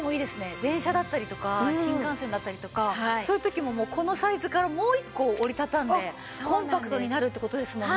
電車だったりとか新幹線だったりとかそういう時もこのサイズからもう一個折り畳んでコンパクトになるって事ですもんね。